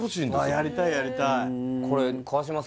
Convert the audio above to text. やりたいやりたい